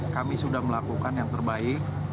kami sudah melakukan yang terbaik